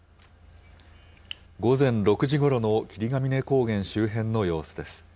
午前６時ごろの霧ヶ峰高原周辺の様子です。